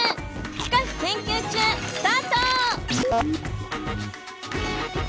「不可避研究中」スタート！